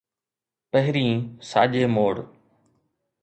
پهرين ساڄي موڙ